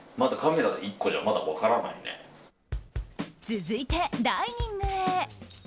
続いてダイニングへ。